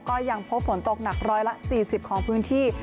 ก็ยังพบฝนตกหนัก๑๔๐ของพื้นที่